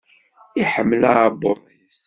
Iḥemmel aɛebbuḍ-is.